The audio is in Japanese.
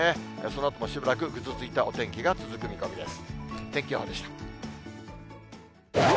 そのあともしばらくぐずついたお天気が続く見込みです。